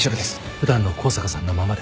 普段の向坂さんのままで。